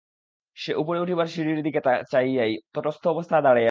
সে উপরে উঠিবার সিঁড়ির দিকে চাহিয়াই তটস্থ অবস্থায় দাঁড়াইয়া রহিল!